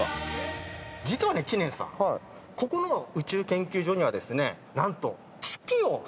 実はね知念さんここの宇宙研究所にはですね何と。